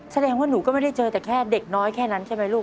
แสดงว่าหนูก็ไม่ได้เจอแต่แค่เด็กน้อยแค่นั้นใช่ไหมลูก